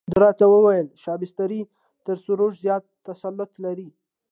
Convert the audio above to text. ده راته وویل شبستري تر سروش زیات تسلط لري.